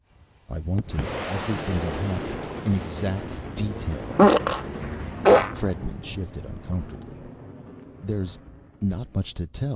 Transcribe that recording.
"I want to know everything that happened, in exact detail." Fredman shifted uncomfortably. "There's not much to tell.